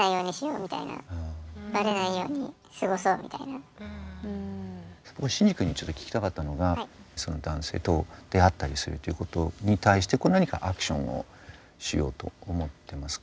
うん何て言うかシンジ君にちょっと聞きたかったのが男性と出会ったりするということに対して何かアクションをしようと思ってますか？